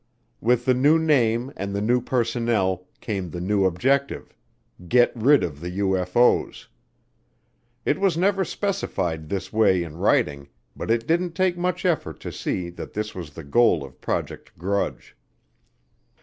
With the new name and the new personnel came the new objective, get rid of the UFO's. It was never specified this way in writing but it didn't take much effort to see that this was the goal of Project Grudge.